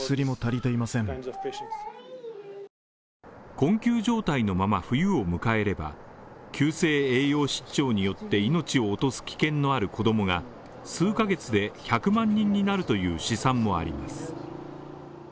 困窮状態のまま冬を迎えれば、急性栄養失調によって命を落とす危険のある子供が、数ヶ月で１００万人になるという試算もあります。